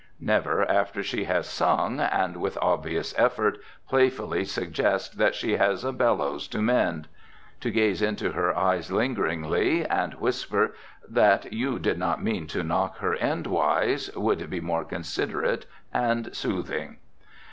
Never, after she has sung, and with obvious effort, playfully suggest that she has a bellows to mend. To gaze into her eyes lingeringly, and whisper that you did not mean to knock her endwise, would be more considerate and soothing.